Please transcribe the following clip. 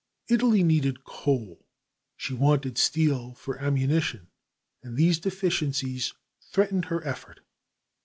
Italy needed coal, she wanted steel for ammunition, and these deficiencies threatened her effort.